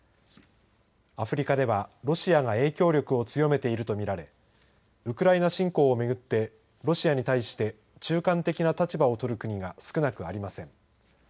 アフリカではロシアが影響力を強めていると見られウクライナ侵攻を巡ってロシアに対して中間的な立場を取る国が少なくありません。